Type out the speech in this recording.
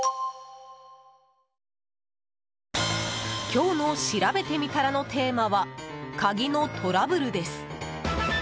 今日のしらべてみたらのテーマは鍵のトラブルです。